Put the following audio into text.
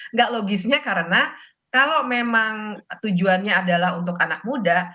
nggak logisnya karena kalau memang tujuannya adalah untuk anak muda